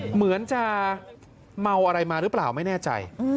เหมือนจะเมาอะไรมาหรือเปล่าไม่แน่ใจ